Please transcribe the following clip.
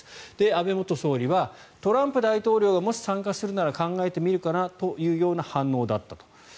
安倍元総理はトランプ前大統領がもし参加するなら考えてみるかなという反応だったと。